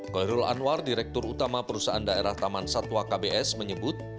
koirul anwar direktur utama perusahaan daerah taman satwa kbs menyebut